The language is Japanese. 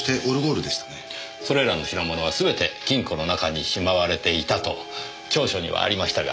それらの品物は全て金庫の中にしまわれていたと調書にはありましたが。